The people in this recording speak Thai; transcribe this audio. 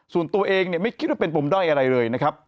ส่วนตัวเองเนี่ยไม่คิดว่าเป็นปมด้อยอะไรเลยนะครับ